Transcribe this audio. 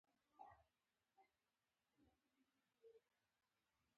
نوښار د پښتونخوا یوه سیمه ده